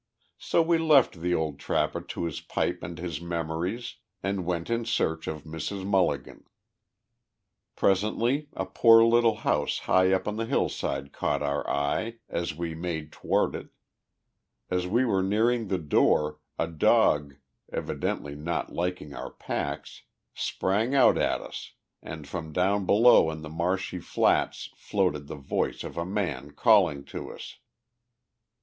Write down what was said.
So we left the old trapper to his pipe and his memories, and went in search of Mrs. Mulligan. Presently a poor little house high up on the hillside caught our eye, and we made toward it. As we were nearing the door, a dog, evidently not liking our packs, sprang out at us, and from down below in the marshy flats floated the voice of a man calling to us.